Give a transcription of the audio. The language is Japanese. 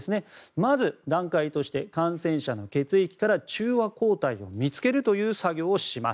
まず段階として感染者の血液から中和抗体を見つけるという作業をします。